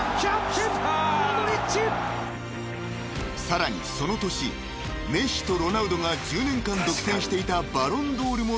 ［さらにその年メッシとロナウドが１０年間独占していたバロンドールも手に入れた］